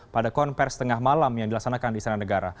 pada konversi tengah malam yang dilaksanakan di sana negara